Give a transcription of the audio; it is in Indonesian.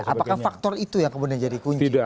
apakah faktor itu yang kemudian jadi kunci